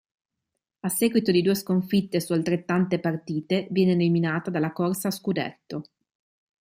A seguito di due sconfitte su altrettante partite viene eliminata dalla corsa scudetto.